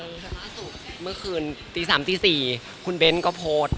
พี่พุทธล่าสุดเมื่อคืนตี๓๔คุณเบนท์ก็โพสต์